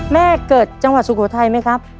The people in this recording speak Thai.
เกิดจังหวัดสุโขทัยไหมครับ